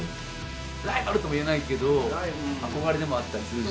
ライバルとも言えないけど憧れでもあったりするし。